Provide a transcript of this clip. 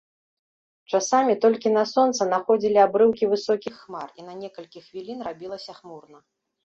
Часамі толькі на сонца находзілі абрыўкі высокіх хмар, і на некалькі хвілін рабілася хмурна.